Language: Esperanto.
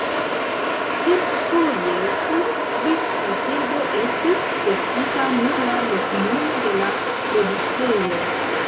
Kelkfoje sur rizsakego estis presita nur la loknomo de la produktejo.